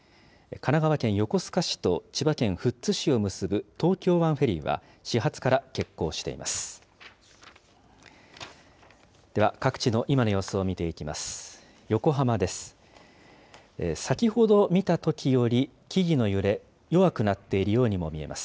神奈川県横須賀市と千葉県富津市を結ぶ東京湾フェリーは、始発から欠航しています。